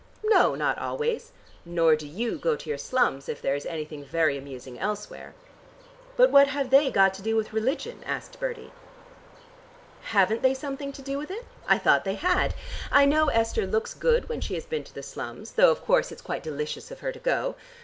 "No, not always, nor do you go to your slums if there is anything very amusing elsewhere." "But what have they got to do with religion?" asked Bertie. "Haven't they something to do with it? I thought they had. I know Esther looks good when she has been to the slums; though of course, it's quite delicious of her to go.